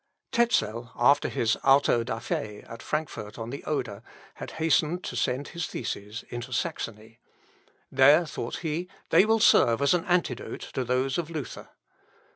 Tezel, after his auto da fe at Frankfort on the Oder, had hastened to send his theses into Saxony. There, thought he, they will serve as an antidote to those of Luther.